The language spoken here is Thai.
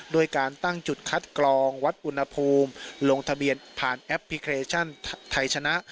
ด้วยการตั้งจุดคัดกรองวัดอุณหภูมิลงทะเบียนผ่านแอปพลิเคชันไทยชนะ